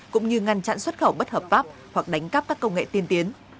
cũng như ngăn chặn xuất khẩu bất hợp pháp hoặc đánh cắp các công nghệ tiên tiến